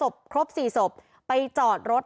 โลกที่สี่ชีวิตไปจอดรถ